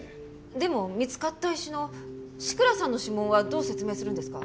でも見つかった石の志倉さんの指紋はどう説明するんですか？